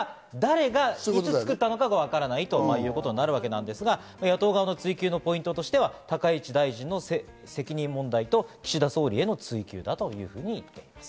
この資料自体が誰がいつ作ったのかわからないということになるわけなんですが、野党側の追及のポイントとしては高市大臣の責任問題と、岸田総理への追及だというふうに言っています。